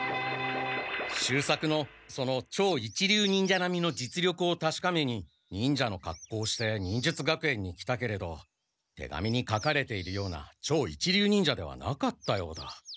秀作のその超一流忍者なみの実力をたしかめに忍者のかっこうをして忍術学園に来たけれど手紙に書かれているような超一流忍者ではなかったようだ。